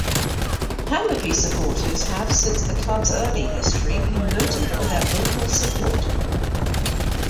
Hammarby supporters have since the club's early history been noted for their vocal support.